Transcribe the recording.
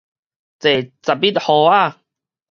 坐十一號仔